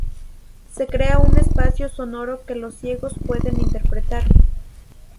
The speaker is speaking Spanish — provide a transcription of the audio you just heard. Se crea un espacio sonoro que los ciegos pueden interpretar.